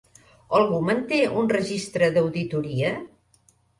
Algú manté un registre d'auditoria?